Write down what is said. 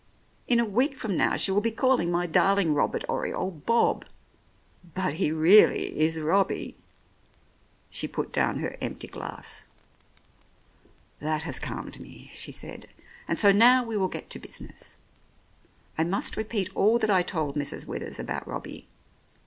In a week from now she will be calling my darling Robert Oriole, Bob. But he really is Robbie." She put down her empty glass. "That has calmed me," she said, "and so now we will get to business. I must repeat all that I told Mrs. Withers about Robbie.